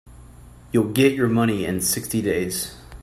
You'll get your money in sixty days.